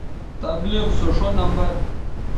تبلیغ سو ݜو نمبر